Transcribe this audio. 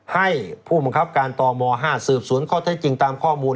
ให้ผู้บังคับการตม๕สืบสวนข้อเท็จจริงตามข้อมูล